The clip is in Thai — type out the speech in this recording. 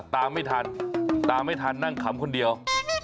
ตามไม่ทันตามไม่ทันนั่งขำคนเดียว